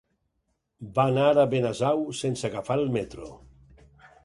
Va anar a Benasau sense agafar el metro.